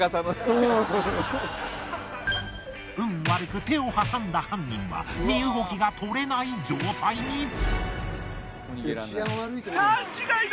悪く手を挟んだ犯人は身動きがとれない状態に。